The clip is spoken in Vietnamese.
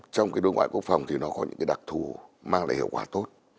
trong cái đối ngoại quốc phòng thì nó có những cái đặc thù mang lại hiệu quả tốt